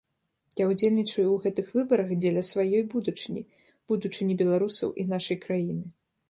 Я ўдзельнічаю ў гэтых выбарах дзеля сваёй будучыні, будучыні беларусаў і нашай краіны.